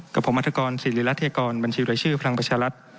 กับผมอาทกรศิลป์หรือราธิกรบัญชีบรายชื่อพลังประชาลัฐ